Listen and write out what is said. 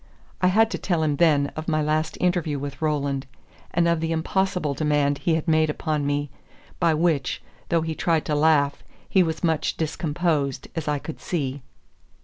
I had to tell him then of my last interview with Roland, and of the impossible demand he had made upon me, by which, though he tried to laugh, he was much discomposed, as I could see.